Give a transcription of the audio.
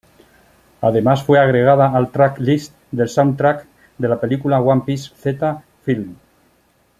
Además fue agregada al tracklist del soundtrack de la película One Piece Z Film.